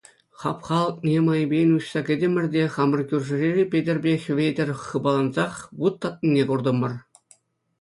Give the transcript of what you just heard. Хапха алӑкне майӗпен уҫса кӗтӗмӗр те хамӑр кӳршӗри Петӗрпе Хӗветӗр хыпалансах вут татнине куртӑмӑр.